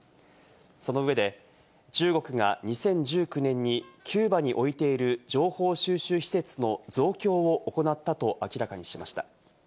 その上で中国が２０１９年にキューバに置いている情報収集施設の増強を行ったと明らかにしました。